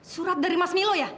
surat dari mas milo ya